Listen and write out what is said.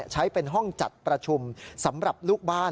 ใช้เป็นห้องจัดประชุมสำหรับลูกบ้าน